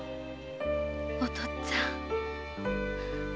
お父っつぁん